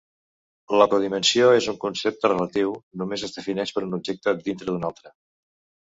La codimensió és un concepte "relatiu": només es defineix per un objecte "dintre" d'un altre.